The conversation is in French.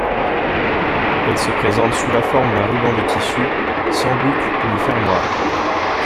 Elle se présente sous la forme d'un ruban de tissu sans boucle ni fermoir.